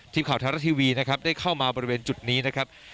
ทีมข่าวไทยรัฐทีวีนะครับได้เข้ามาบริเวณจุดนี้นะครับ